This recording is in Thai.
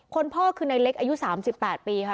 พ่อคือในเล็กอายุ๓๘ปีค่ะ